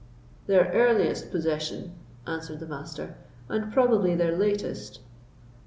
"Their earliest possession," answered the Master, "and probably their latest."